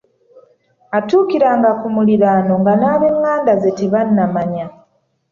Atuukiranga ku muliraano nga n’ab’eηηanda ze tebannamanya.